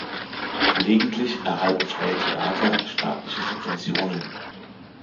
Gelegentlich erhalten Freie Theater staatliche Subventionen.